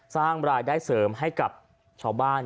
สร้างรายได้เสริมให้กับชาวบ้าน